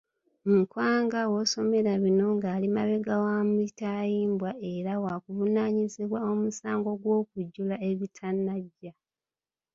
Nkwanga w'osomero bino ng'ali mabega wa mitayimbwa era wakuvunaanibwa omusango gw'okujjula ebitanajja.